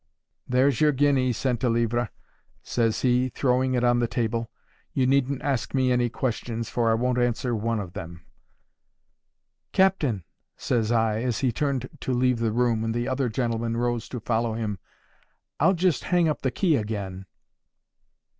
"There's your guinea, Centlivre," says he, throwing it on the table. "You needn't ask me any questions, for I won't answer one of them."—"Captain," says I, as he turned to leave the room, and the other gentlemen rose to follow him, "I'll just hang up the key again."